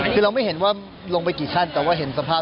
ขอถามนะครับว่า